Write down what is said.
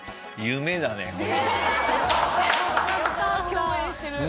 共演してる。